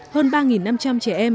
hơn ba năm trăm linh trẻ em